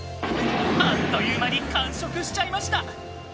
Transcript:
あっという間に完食しちゃいました。